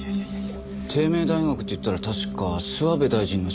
帝名大学っていったら確か諏訪部大臣の出身校だよな？